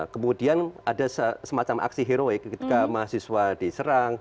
kemudian ada semacam aksi heroik ketika mahasiswa diserang